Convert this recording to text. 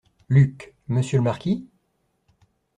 Luc - Monsieur le marquis ?